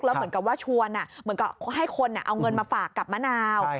แล้วเหมือนกับว่าชวนเหมือนกับให้คนเอาเงินมาฝากกับมะนาว